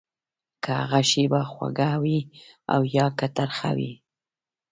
که هغه شېبه خوږه وي او يا که ترخه وي.